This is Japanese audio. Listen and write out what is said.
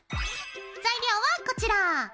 材料はこちら！